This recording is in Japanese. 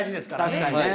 確かにね。